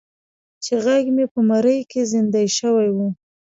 چې غږ مې په مرۍ کې زیندۍ شوی و.